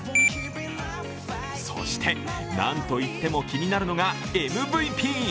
そして、なんといっても気になるのがＭＶＰ。